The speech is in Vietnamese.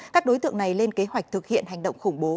các đối tượng này lên kế hoạch thực hiện hành động khủng bố